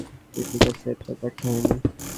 ঠিক আছে, এতটাও ব্যর্থ হইনি।